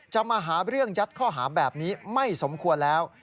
มาหาเรื่องยัดข้อหาแบบนี้ไม่สมควรแล้ว